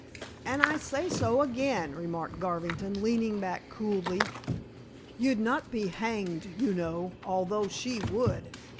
"And I say so again," remarked Garvington, leaning back coolly. "You'd not be hanged, you know, although she would.